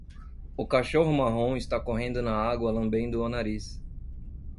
O cachorro marrom está correndo na água lambendo o nariz.